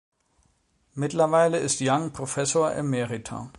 Mittlerweile ist Young Professor Emerita.